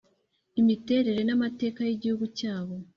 imiterere n'amateka y'igihugu cyabo.